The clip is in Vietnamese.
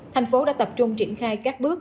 tp hcm đã tập trung triển khai các bước